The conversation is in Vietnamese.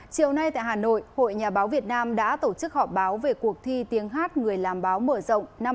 chiều nay tại hà nội hội nhà báo việt nam đã tổ chức họp báo về cuộc thi tiếng hát người làm báo mở rộng năm hai nghìn hai mươi